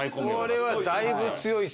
これはだいぶ強いっすね。